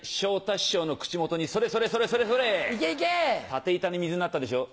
立て板に水になったでしょ？